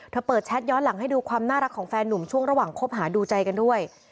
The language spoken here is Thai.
เปิดแชทย้อนหลังให้ดูความน่ารักของแฟนหนุ่มช่วงระหว่างคบหาดูใจกันด้วย